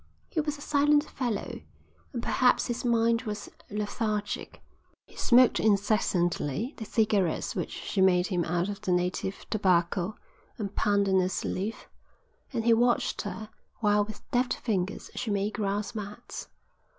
He was a silent fellow, and perhaps his mind was lethargic. He smoked incessantly the cigarettes which she made him out of the native tobacco and pandanus leaf, and he watched her while with deft fingers she made grass mats.